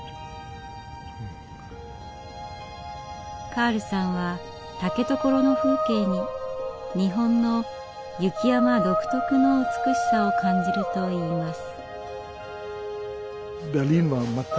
カールさんは竹所の風景に日本の雪山独特の美しさを感じるといいます。